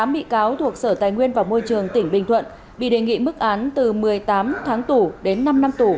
tám bị cáo thuộc sở tài nguyên và môi trường tỉnh bình thuận bị đề nghị mức án từ một mươi tám tháng tù đến năm năm tù